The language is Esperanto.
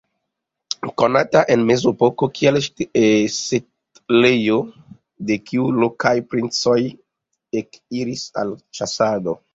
Konata en mezepoko kiel setlejo, de kiu lokaj princoj ekiris al ĉasado.